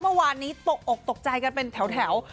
เมื่อวานนี้ตกอกตกใจกันเป็นแถว